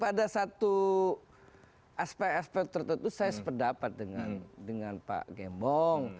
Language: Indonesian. pada satu aspek aspek tertentu saya sependapat dengan pak gembong